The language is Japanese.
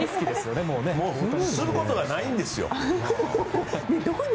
することがないんですよ。